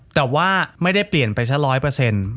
แต่ว่าไม่ได้เปลี่ยนไปสักร้อยเปอร์เซ็นต์